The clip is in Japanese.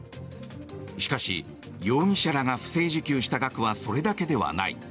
しかし、容疑者らが不正受給した額はそれだけではない。